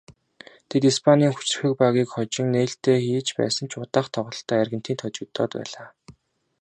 Тэд Испанийн хүчирхэг багийг хожин нээлтээ хийж байсан ч удаах тоглолтдоо Аргентинд хожигдоод байлаа.